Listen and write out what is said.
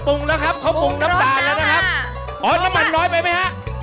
แล้วครับเขาปรุงน้ำตาลแล้วนะครับอ๋อน้ำมันน้อยไปไหมฮะ